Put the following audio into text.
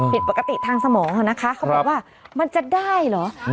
ผิดปกติทางสมองนะคะเขาบอกว่ามันจะได้เหรอ